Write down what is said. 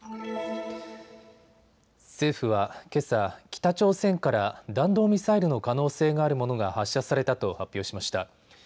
政府はけさ、北朝鮮から弾道ミサイルの可能性があるものが発射されたと発表しました。